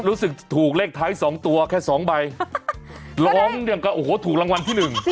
รู้สึกถูกเลขท้ายสองตัวแค่สองใบร้องอย่างกับโอ้โหถูกรางวัลที่หนึ่ง